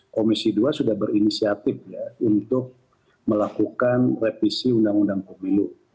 komisi dua sudah berinisiatif untuk melakukan revisi undang undang pemilu